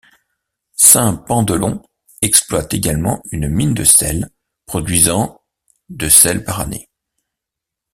Saint-Pandelon exploite également une mine de sel produisant de sel par année.